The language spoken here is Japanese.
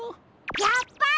やっぱり！